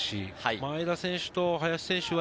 前田選手と林選手は、